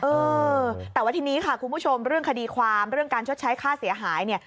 เออแต่ว่าทีนี้ค่ะคุณผู้ชมเรื่องคดีความเรื่องการชดใช้ค่าเสียหายเนี่ย